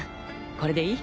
これでいい？